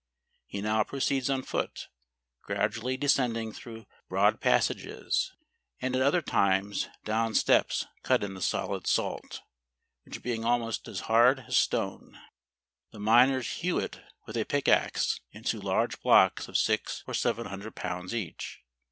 He now pro¬ ceeds on foot, gradually descending through broad passages, and at other times down steps cut in the solid salt, which being almost as hard as stone, the miners hew it with a pick axe into large blocks of 6 or 700 pounds each.